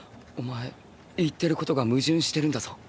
お前言ってることが矛盾してるんだぞ？